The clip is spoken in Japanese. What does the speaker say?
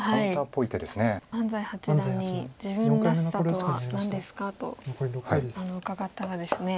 安斎八段に「自分らしさとは何ですか？」と伺ったらですね